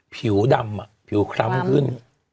ผิวดำผิวคล้ำขึ้น